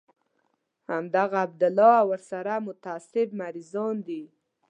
همدغه عبدالله او ورسره متعصب مريضان دي.